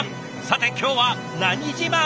さて今日は何自慢？